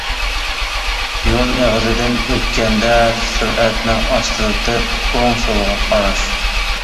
يول ئېغىزىدىن ئۆتكەندە سۈرئەتنى ئاستىلىتىپ ئوڭ-سولغا قاراش.